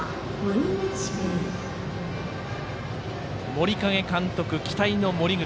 森影監督、期待の森口。